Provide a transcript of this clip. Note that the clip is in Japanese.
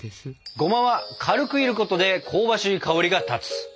ごまは軽くいることで香ばしい香りが立つ。